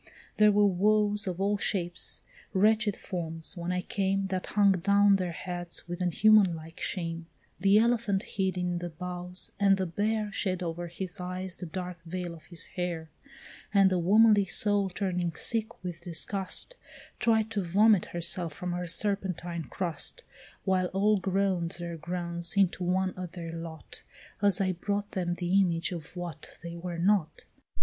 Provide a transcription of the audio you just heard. There were woes of all shapes, wretched forms, when I came, That hung down their heads with a human like shame; The elephant hid in the boughs, and the bear Shed over his eyes the dark veil of his hair; And the womanly soul turning sick with disgust, Tried to vomit herself from her serpentine crust; While all groan'd their groans into one at their lot, As I brought them the image of what they were not.